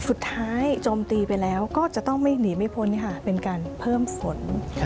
โจมตีไปแล้วก็จะต้องไม่หนีไม่พ้นเป็นการเพิ่มฝน